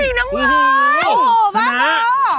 เฮ้ยน้องเอิ้นโอ้โฮมากแล้วน้องเอิ้น